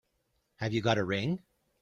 Have you got a ring?